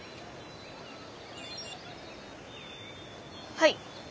はい。